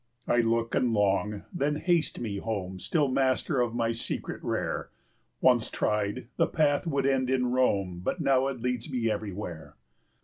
I look and long, then haste me home, Still master of my secret rare; Once tried, the path would end in Rome, 15 But now it leads me everywhere.